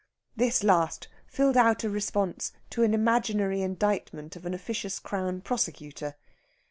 This last filled out a response to an imaginary indictment of an officious Crown Prosecutor.